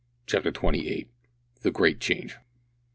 CHAPTER TWENTY EIGHT. THE GREAT CHANGE.